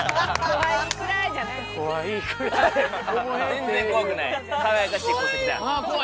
全然怖くない。